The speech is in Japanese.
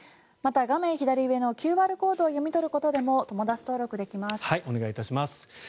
また、画面左上のＱＲコードを読み取ることでもお願いいたします。